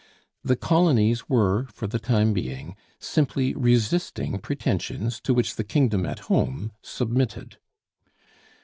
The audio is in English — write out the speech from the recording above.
The colonies were, for the time being, simply resisting pretensions to which the kingdom at home submitted.